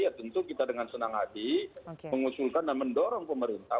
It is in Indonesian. ya tentu kita dengan senang hati mengusulkan dan mendorong pemerintah